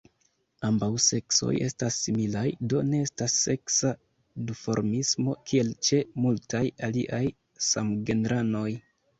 Ambaŭ seksoj estas similaj; do ne estas seksa duformismo kiel ĉe multaj aliaj samgenranoj.